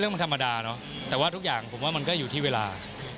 รู้สึกมีความจริงหรือเปล่า